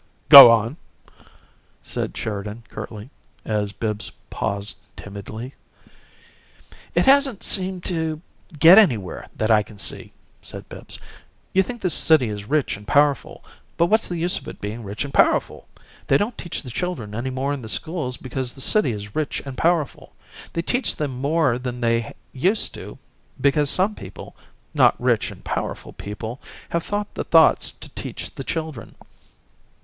"Go on," said Sheridan, curtly, as Bibbs paused timidly. "It hasn't seemed to get anywhere, that I can see," said Bibbs. "You think this city is rich and powerful but what's the use of its being rich and powerful? They don't teach the children any more in the schools because the city is rich and powerful. They teach them more than they used to because some people not rich and powerful people have thought the thoughts to teach the children.